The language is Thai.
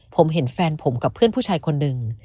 ผมเห็นแฟนผมกับเพื่อนผู้ชายคนหนึ่ง